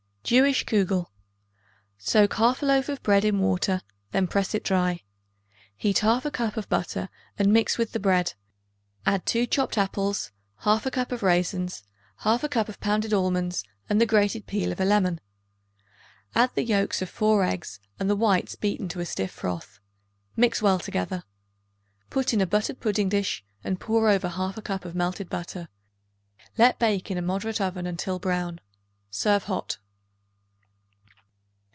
Jewish Kugel. Soak 1/2 loaf of bread in water; then press it dry. Heat 1/2 cup of butter and mix with the bread; add 2 chopped apples, 1/2 cup of raisins, 1/2 cup of pounded almonds and the grated peel of a lemon. Add the yolks of 4 eggs and the whites beaten to a stiff froth; mix well together. Put in a buttered pudding dish and pour over 1/2 cup of melted butter; let bake in a moderate oven until brown. Serve hot.